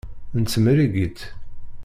Nettmerrig-itt.